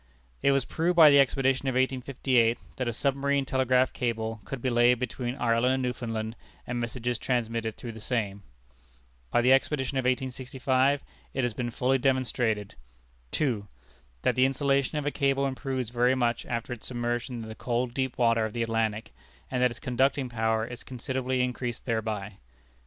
It was proved by the expedition of 1858, that a Submarine Telegraph Cable could be laid between Ireland and Newfoundland, and messages transmitted through the same. By the expedition of 1865 it has been fully demonstrated: 2. That the insulation of a cable improves very much after its submersion in the cold deep water of the Atlantic, and that its conducting power is considerably increased thereby.